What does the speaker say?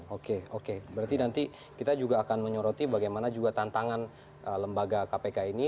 oke oke berarti nanti kita juga akan menyoroti bagaimana juga tantangan lembaga kpk ini